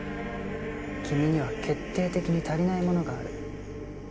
君には決定的に足りないものがある。